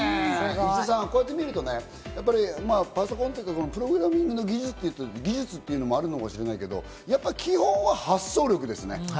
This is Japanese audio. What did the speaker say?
石田さん、こうやってみるとプログラミングの技術っていうのもあるかもしれないけど、基本は発想力ですね。